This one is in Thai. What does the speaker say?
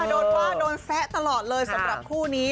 โดนว่าโดนแซะตลอดเลยสำหรับคู่นี้